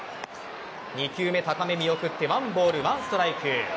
２球目、高め見送って１ボール、１ストライク。